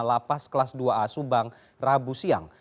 lapas kelas dua a subang rabu siang